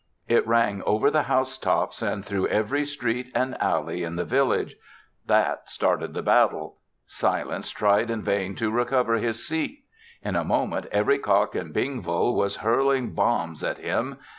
It rang over the housetops and through every street and alley in the village. That started the battle. Silence tried in vain to recover his seat. In a moment, every cock in Bingville was hurling bombs at him.